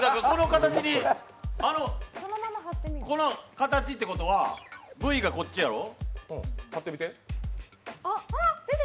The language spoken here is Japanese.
この形ってことは、「Ｖ」がこっちやろ？